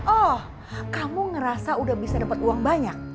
oh kamu ngerasa udah bisa dapat uang banyak